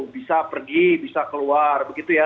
bisa pergi bisa keluar begitu ya